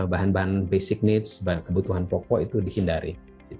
bahan bahan basic needs kebutuhan pokok itu dihindari